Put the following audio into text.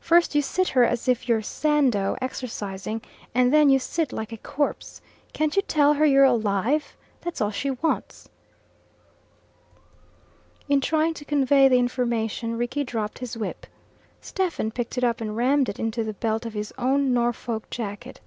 First you sit her as if you're Sandow exercising, and then you sit like a corpse. Can't you tell her you're alive? That's all she wants." In trying to convey the information, Rickie dropped his whip. Stephen picked it up and rammed it into the belt of his own Norfolk jacket.